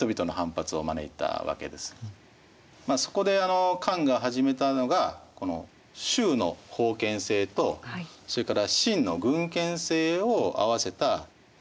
そこで漢が始めたのがこの周の封建制とそれから秦の郡県制を合わせた郡国制です。